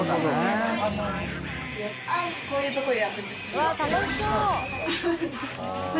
うわっ楽しそう。